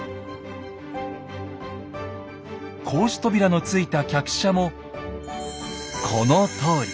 格子扉のついた客車もこのとおり。